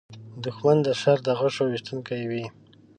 دښمن د شر د غشو ویشونکی وي